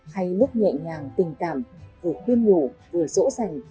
hay lúc nhẹ nhàng tình cảm vừa khuyên ngủ vừa rỗ ràng